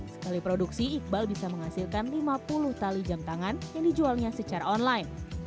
sekali produksi iqbal bisa menghasilkan lima puluh tali jam tangan yang dijualnya secara online